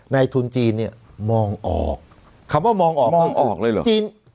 ทุนจีนเนี่ยมองออกคำว่ามองออกมองออกเลยเหรอจีน